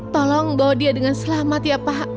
tolong bawa dia dengan selamat ya pak